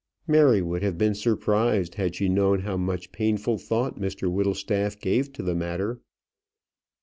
Mary would have been surprised had she known how much painful thought Mr Whittlestaff gave to the matter.